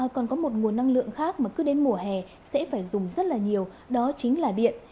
còn có một nguồn năng lượng khác mà cứ đến mùa hè sẽ phải dùng rất là nhiều đó chính là điện